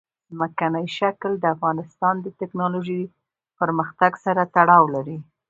ځمکنی شکل د افغانستان د تکنالوژۍ پرمختګ سره تړاو لري.